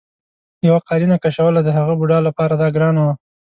یوه قالینه کشوله د هغه بوډا لپاره دا ګرانه وه.